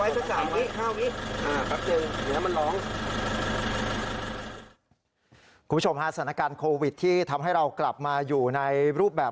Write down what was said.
คุณผู้ชมฮะสถานการณ์โควิดที่ทำให้เรากลับมาอยู่ในรูปแบบ